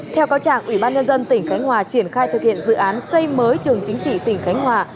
theo cáo trạng ủy ban nhân dân tỉnh khánh hòa triển khai thực hiện dự án xây mới trường chính trị tỉnh khánh hòa